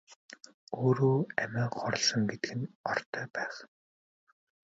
Өөрөө амиа хорлосон гэдэг нь ортой байх.